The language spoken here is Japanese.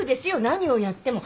何をやっても。